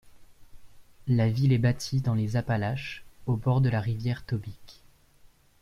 La ville est bâtie dans les Appalaches, au bord de la rivière Tobique.